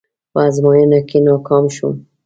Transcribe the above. په ازموينه کې ناکام شوم.